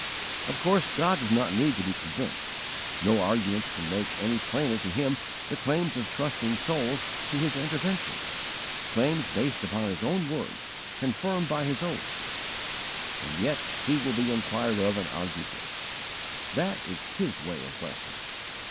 Of course God does not need to be convinced: no arguments can make any plainer to Him the claims of trusting souls to His intervention, claims based upon His own word, confirmed by His oath. And yet He will be inquired of and argued with. That is His way of blessing.